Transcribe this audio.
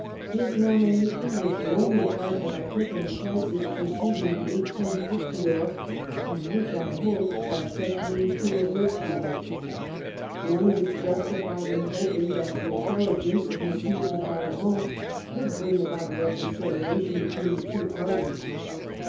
" His nomination was the only part that I took in the crisis preceding the 18th Fructidor, and which I hoped by such means to avert," she wrote. " One was justified in hoping that the intelligence of M. de Talleyrand would bring about a reconciliation between the two parties.